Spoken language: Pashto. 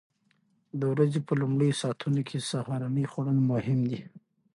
د ورځې په لومړیو ساعتونو کې سهارنۍ خوړل مهم دي.